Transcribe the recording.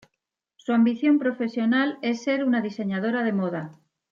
Su ambición profesional es ser una diseñadora de moda.